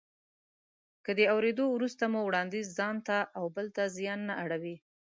که د اورېدو وروسته مو وړانديز ځانته او بل ته زیان نه اړوي.